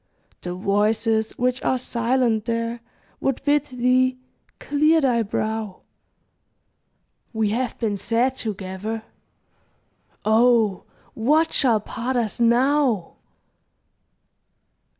The voices which are silent there Would bid thee clear thy brow; We have been sad together. Oh, what shall part us now?